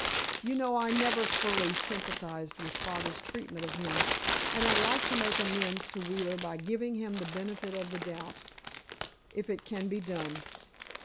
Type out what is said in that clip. You know, I never fully sympathized with father's treatment of him, and I'd like to make amends to Wheeler by giving him the benefit of the doubt—if it can be done."